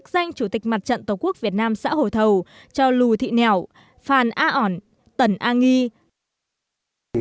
trận tổ quốc việt nam xã hồ thầu cho lù thị nẻo phan á ẩn tần an nghi